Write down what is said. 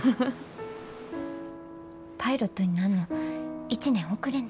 パイロットになんの１年遅れんねん。